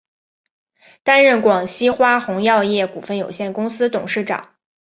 担任广西花红药业股份有限公司董事长。